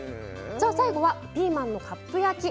さあ最後はピーマンのカップ焼き。